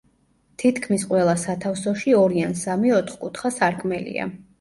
თითქმის ყველა სათავსოში ორი ან სამი ოთხკუთხა სარკმელია.